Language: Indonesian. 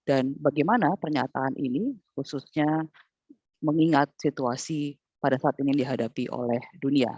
dan bagaimana pernyataan ini khususnya mengingat situasi pada saat ini yang dihadapi oleh dunia